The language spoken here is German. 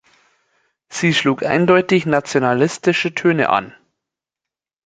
Sie schlug eindeutig nationalistische Töne an.